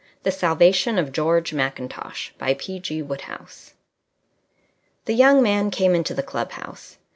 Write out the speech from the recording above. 5 The Salvation of George Mackintosh The young man came into the club house.